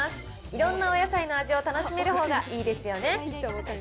いろんなお野菜の味を楽しめるほうがいいですよね。